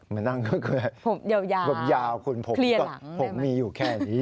ผมยาวเขลี่ยหลังผมมีอยู่แค่นี้